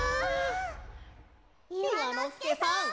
いわのすけさん。